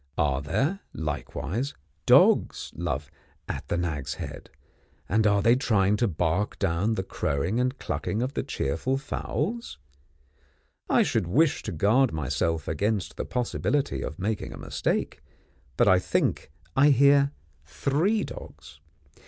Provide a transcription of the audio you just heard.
Are there, likewise, dogs, love, at the Nag's Head, and are they trying to bark down the crowing and clucking of the cheerful fowls? I should wish to guard myself against the possibility of making a mistake, but I think I hear three dogs.